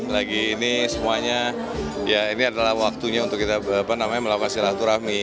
lagi ini semuanya ya ini adalah waktunya untuk kita melakukan silaturahmi